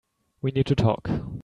We need to talk.